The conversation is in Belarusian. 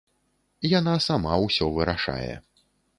Яна сама ўсё вырашае.